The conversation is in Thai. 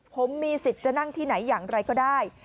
ผมมีสิทธิ์จะนั่งที่ไหนอย่างไรก็ได้